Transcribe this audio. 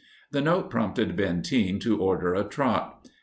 The note prompted Benteen to order a trot.